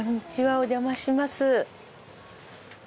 お邪魔します。